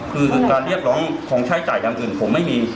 คือการเรียกร้องของใช้จ่ายอย่างอื่นผมไม่มี